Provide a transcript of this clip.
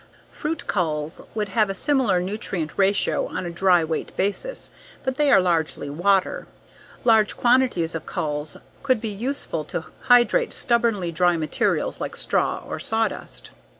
Fruit culls would have a similar nutrient ratio on a dry weight basis, but they are largely water. Large quantities of culls could be useful to hydrate stubbornly dry materials like straw or sawdust.